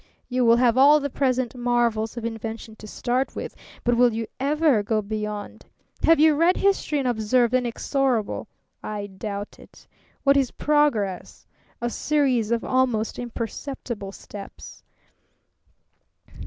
You will have all the present marvels of invention to start with, but will you ever go beyond? Have you read history and observed the inexorable? I doubt it. What is progress? A series of almost imperceptible steps."